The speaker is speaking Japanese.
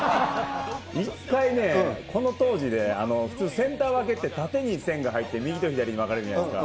一回ね、この当時で普通センター分けって縦に線が入って、右と左に分かれるじゃないですか。